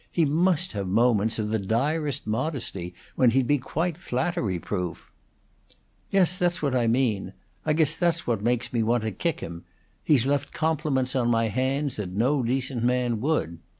He must have moments of the direst modesty, when he'd be quite flattery proof." "Yes, that's what I mean. I guess that's what makes me want to kick him. He's left compliments on my hands that no decent man would."